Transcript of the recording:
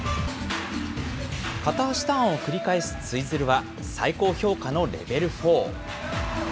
片足ターンを繰り返すツイズルは最高評価のレベルフォー。